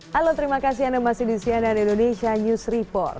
halo terima kasih anda masih di cnn indonesia news report